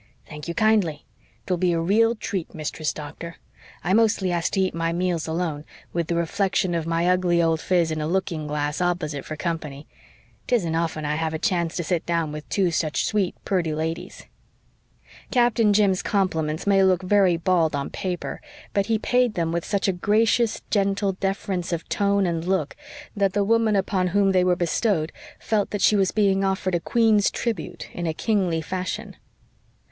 "Thank you kindly. 'Twill be a real treat, Mistress Doctor. I mostly has to eat my meals alone, with the reflection of my ugly old phiz in a looking glass opposite for company. 'Tisn't often I have a chance to sit down with two such sweet, purty ladies." Captain Jim's compliments may look very bald on paper, but he paid them with such a gracious, gentle deference of tone and look that the woman upon whom they were bestowed felt that she was being offered a queen's tribute in a kingly fashion.